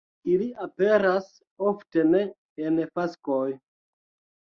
Ili aperas ofte ne en faskoj.